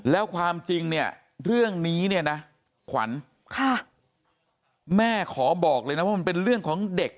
แล้วความจริงเนี่ยเรื่องนี้เนี่ยนะขวัญค่ะแม่ขอบอกเลยนะว่ามันเป็นเรื่องของเด็ก